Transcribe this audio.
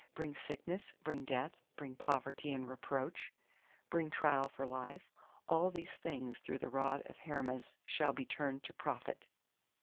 Bring sickness, bring death, bring poverty and reproach, bring trial for life—all these things through the rod of Hermes shall be turned to profit.